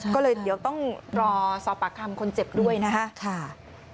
ก็เลยเดี๋ยวต้องรอสอบปากคำคนเจ็บด้วยนะคะ